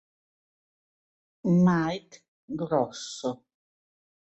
Mike Grosso